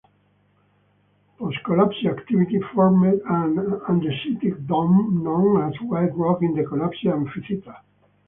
Post-collapse activity formed an andesitic dome known as White Rock in the collapse amphitheater.